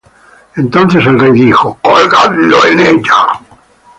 Entonces el rey dijo: Colgadlo en ella.